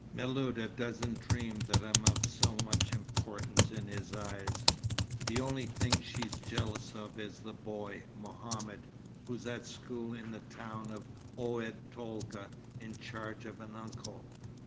Miluda doesn't dream that I'm of so much importance in his eyes. The only thing she's jealous of is the boy, Mohammed, who's at school in the town of Oued Tolga, in charge of an uncle.